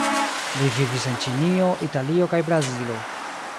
Li vivis en Ĉinio, Italio kaj Brazilo.